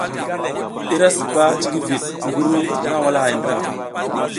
I ra sipas cikivid ngi ru nag walahay ndra.